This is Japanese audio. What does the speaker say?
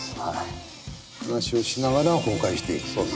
話をしながら崩壊していくという。